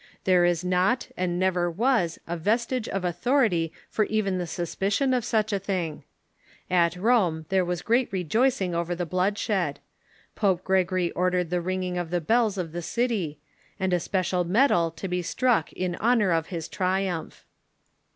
There is not, and never was, a vestige of authority for even the suspicion of such a thing. At Rome there was great re joicing over the bloodshed. Pope Gregory ordered the ring ing of the bells of the city, and a special medal to be struck in honor of his triumph.